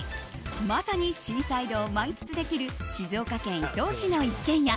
まさにシーサイドを満喫できる静岡県伊東市の一軒家。